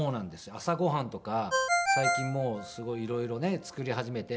朝ご飯とか最近もうすごい色々ね作り始めて。